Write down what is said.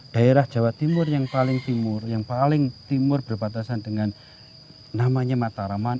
daerah jawa timur yang paling timur yang paling timur berbatasan dengan namanya mataraman